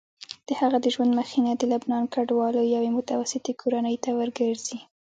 د هغه د ژوند مخینه د لبنان کډوالو یوې متوسطې کورنۍ ته ورګرځي.